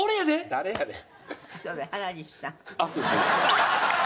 誰やねん。